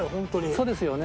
そうですよね。